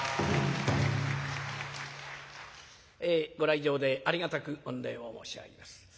えご来場でありがたく御礼を申し上げます。